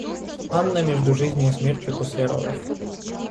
Анна между жизнью и смертью после родов.